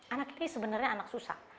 anak ini sebenarnya anak susah